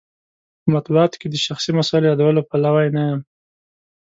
په مطبوعاتو کې د شخصي مسایلو یادولو پلوی نه یم.